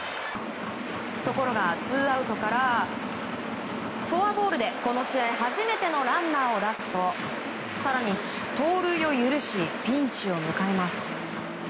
ところが、ツーアウトからフォアボールでこの試合初めてのランナーを出すと更に盗塁を許しピンチを迎えます。